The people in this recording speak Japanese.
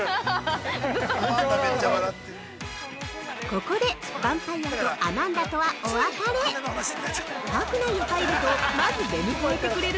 ◆ここで、ヴァンパイアとアマンダとはお別れ。